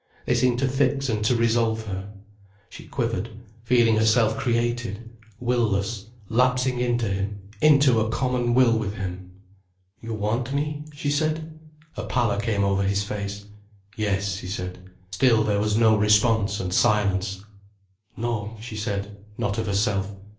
They seemed to fix and to resolve her. She quivered, feeling herself created, will less, lapsing into him, into a common will with him. "You want me?" she said. A pallor came over his face. "Yes," he said. Still there was no response and silence. "No," she said, not of herself.